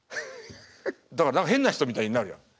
だから何か変な人みたいになるやん。